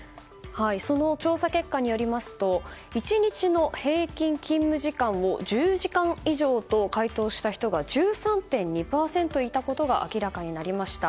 その調査結果によりますと１日の平均勤務時間を１０時間以上と回答した人が１３．２％いたことが明らかになりました。